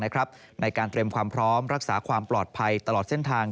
ในการเตรียมความพร้อมรักษาความปลอดภัยตลอดเส้นทาง